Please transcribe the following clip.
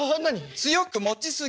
強く持ち過ぎ。